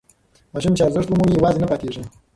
ماشوم چې ارزښت ومومي یوازې نه پاتې کېږي.